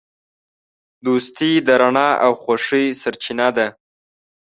دوستي د رڼا او خوښۍ سرچینه ده.